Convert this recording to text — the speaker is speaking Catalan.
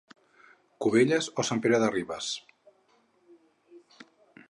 Cubelles o Sant Pere de Ribes.